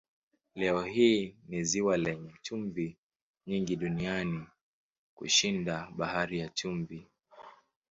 Leo hii ni ziwa lenye chumvi nyingi duniani kushinda Bahari ya Chumvi.